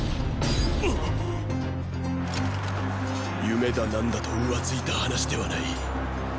“夢”だ何だと浮ついた話ではない！